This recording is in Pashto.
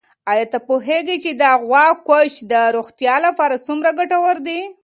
آیا ته پوهېږې چې د غوا کوچ د روغتیا لپاره څومره ګټور دی؟